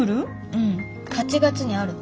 うん８月にあるの。